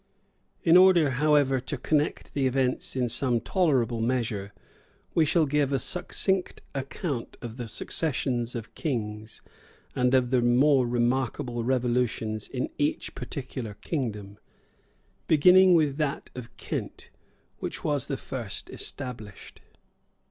[*] In order, however, to connect the events in some tolerable measure, we shall give a succinct account of the successions of kings, and of the more remarkable revolutions in each particular kingdom; beginning with that of Kent, which was the first established.